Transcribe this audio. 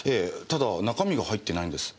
ただ中身が入ってないんです。